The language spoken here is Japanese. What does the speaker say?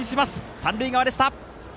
三塁側でした。